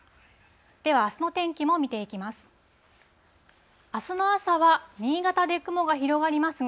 ではあすの天気も見ていきます。